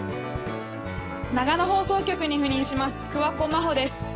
長野放送局に赴任します